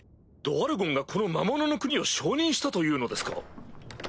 ドワルゴンがこの魔物の国を承認したというのですか？